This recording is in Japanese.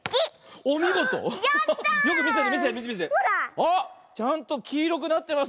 あっちゃんときいろくなってます。